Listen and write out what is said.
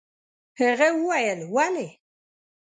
هغه وويل: ولې؟